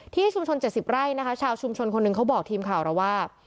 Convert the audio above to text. ที่ชุมชน๗๐ไร่นะคะชาวชุมชนคนหนึ่งเขาบอกทีมข่าวเราว่า